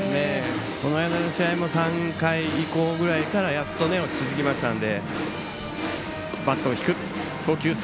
この間の試合も３回以降ぐらいからやっと落ち着いてきたので。